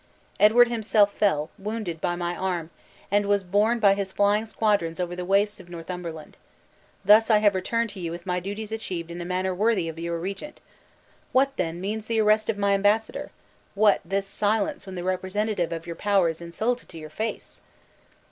Edward himself fell, wounded by my arm, and was born by his flying squadrons over the wastes of Northumberland. Thus have I returned to you with my duties achieved in a manner worthy of your regent! What, then, means the arrest of my embassador? what this silence when the representative of your power is insulted to your face?